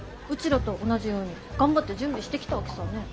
らと同じように頑張って準備してきたわけさぁねぇ。